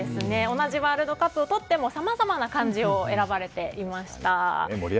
同じワールドカップをとってもさまざまな漢字を選ばれていました。